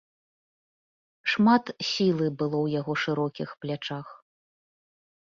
Шмат сілы было ў яго шырокіх плячах.